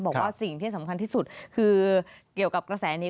บอกว่าสิ่งที่สำคัญที่สุดคือเกี่ยวกับกระแสนี้